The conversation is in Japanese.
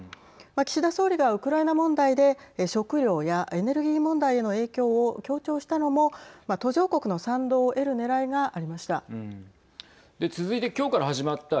岸田総理が、ウクライナ問題で食料やエネルギー問題への影響を強調したのも、途上国の賛同を得るねらいがありました。